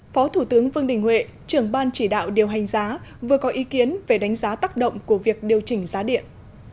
phó thủ tướng vương đình huệ trưởng ban chỉ đạo điều hành giá vừa có ý kiến về đánh giá tác động của việc điều chỉnh giá điện